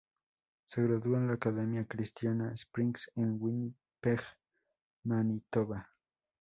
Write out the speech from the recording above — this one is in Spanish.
Se graduó en la Academia Cristiana Springs en Winnipeg, Manitoba.